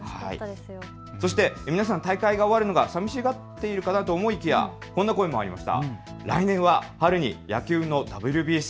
そして皆さん、大会が終わるのを寂しがっているかと思いきやこんな声もありました。